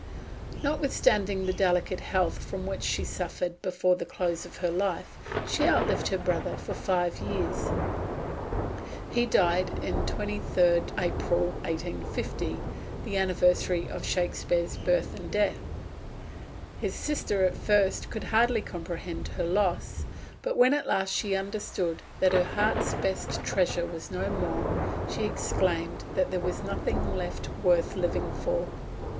Notwithstanding the delicate health from which she suffered before the close of her life, she outlived her brother for five years. He died on 23d April 1850, the anniversary of Shakespeare's birth and death. His sister at first could hardly comprehend her loss; but when at last she understood that her heart's best treasure was no more, she exclaimed that there was nothing left worth living for.